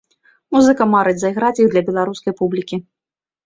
Музыка марыць зайграць іх для беларускай публікі.